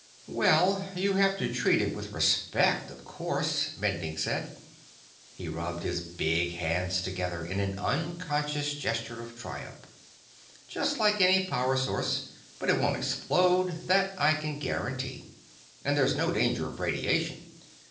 "Well, you have to treat it with respect, of course," Bending said. He rubbed his big hands together in an unconscious gesture of triumph. "Just like any power source. But it won't explode; that I can guarantee. And there's no danger from radiation.